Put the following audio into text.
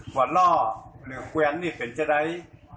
พวกล่อหรือแกว้นนี่เป็นจะได้